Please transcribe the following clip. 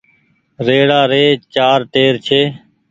ريڙآ ري چآر ٽير ڇي۔